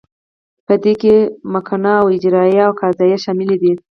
په دې کې مقننه او اجراییه او قضاییه شاملې دي.